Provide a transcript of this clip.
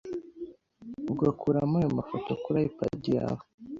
ugakuramo aya mafoto kuri iPad yawe.